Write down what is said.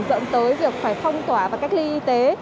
dẫn tới việc phải phong tỏa và cách ly y tế